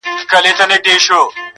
دهقان څه چي لا په خپل کلي کي خان وو،